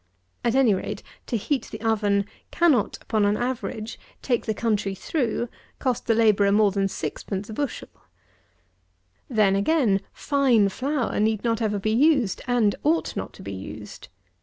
At any rate, to heat the oven cannot, upon an average, take the country through, cost the labourer more than 6_d._ a bushel. Then, again, fine flour need not ever be used, and ought not to be used.